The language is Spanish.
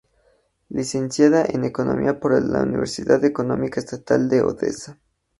Licenciada en economía por la Universidad Económica Estatal de Odesa.